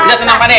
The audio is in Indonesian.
bisa tenang pak de